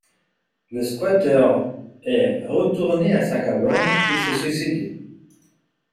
Le squatter est retourné à sa cabane et s'est suicidé.